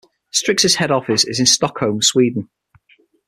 Strix's head office is in Stockholm, Sweden.